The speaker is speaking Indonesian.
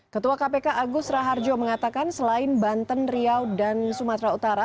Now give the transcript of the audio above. ketua kpk agus raharjo mengatakan selain banten riau dan sumatera utara